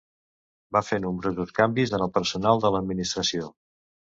Va fer nombrosos canvis en el personal de l'administració.